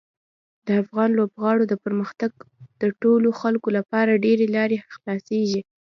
د افغان لوبغاړو د پرمختګ د ټولو خلکو لپاره ډېرې لارې خلاصیږي.